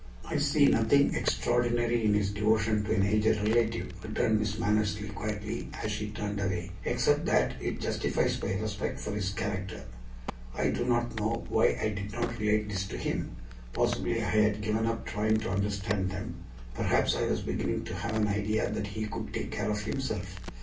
"I see nothing extraordinary in his devotion to an aged relative," returned Miss Mannersley quietly as she turned away, "except that it justifies my respect for his character." I do not know why I did not relate this to him. Possibly I had given up trying to understand them; perhaps I was beginning to have an idea that he could take care of himself.